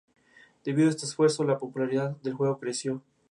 Según Don Dokken escribieron veinticinco canciones, pero solo produjeron diez.